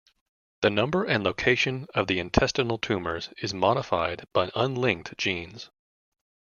The number and location of the intestinal tumors is modified by unlinked genes.